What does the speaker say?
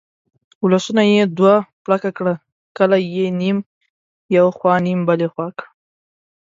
ولسونه یې دوه پړکه کړه، کلي یې نیم یو خوا نیم بلې خوا کړه.